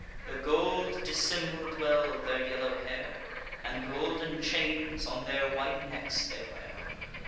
The gold dissembled well their yellow hair, And golden chains on their white necks they wear.